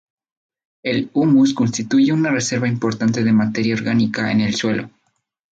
El humus constituye una reserva importante de materia orgánica en el suelo.